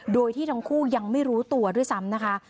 โดยที่ทั้งคู่ยังไม่รู้ตัวด้วยซ้ำนะคะ